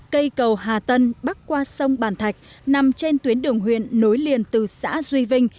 cây cầu hà tân bắc qua sông bàn thạch nằm trên tuyến đường huyện nối liền từ xã duy vinh